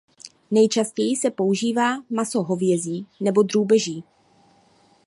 Nejčastěji se používá maso hovězí nebo drůbeží.